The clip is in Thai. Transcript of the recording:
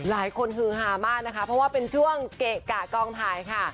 ฮือฮามากนะคะเพราะว่าเป็นช่วงเกะกะกองถ่ายค่ะ